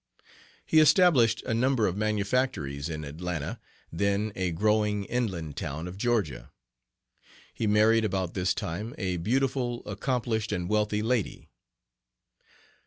He established a number of manufactories in Atlanta, then a growing inland town of Georgia. He married about this time a beautiful, accomplished, and wealthy lady.